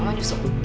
mama nyusupkan aku